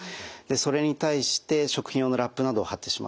それに対して食品用のラップなどを貼ってしまうとですね